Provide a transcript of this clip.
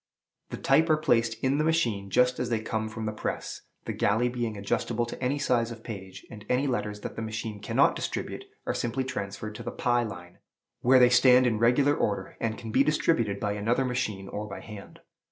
The type are placed in the machine just as they come from the press, the galley being adjustable to any size of page; and any letters that the machine cannot distribute are simply transferred to the "pi line," where they stand in regular order, and can be distributed by another machine or by hand.